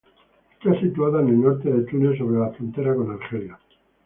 Está situada en el norte de Túnez, sobre la frontera con Argelia.